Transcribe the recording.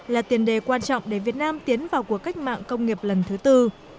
là tiền đề quan trọng để việt nam tiến vào cuộc cách mạng công nghiệp lần thứ tư